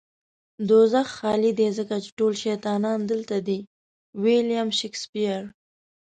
دوزخ خالی دی ځکه چې ټول شيطانان دلته دي. ويلييم شکسپير